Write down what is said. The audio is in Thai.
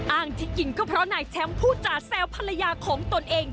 อ้างที่กินก็เพราะนายแชมป์พูดจะแซวภรรยาของตนเอง